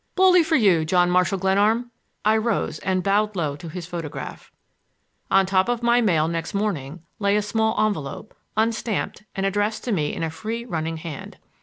"Bully for you, John Marshall Glenarm!" I rose and bowed low to his photograph. On top of my mail next morning lay a small envelope, unstamped, and addressed to me in a free running hand.